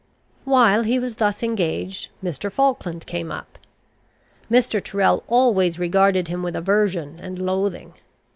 While he was thus engaged, Mr. Falkland came up. Mr. Tyrrel always regarded him with aversion and loathing.